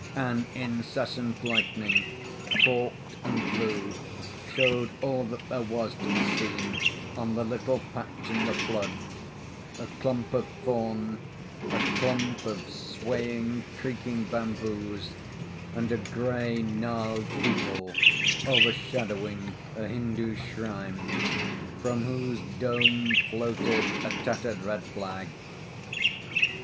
An incessant lightning, forked and blue, showed all that there was to be seen on the little patch in the flood a clump of thorn, a clump of swaying creaking bamboos, and a grey gnarled peepul overshadowing a Hindoo shrine, from whose dome floated a tattered red flag.